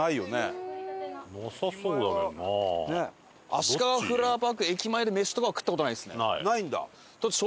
あしかがフラワーパーク駅前で飯とかは食った事ないですね。